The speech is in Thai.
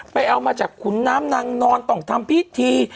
เอามาจากขุนน้ำนางนอนต้องทำพิธี